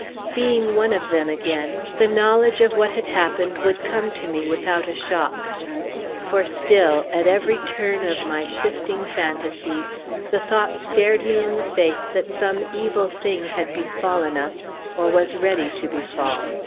Being one of them again, the knowledge of what had happened would come to me without a shock. For still, at every turn of my shifting fantasies, the thought stared me in the face that some evil thing had befallen us, or was ready to befall.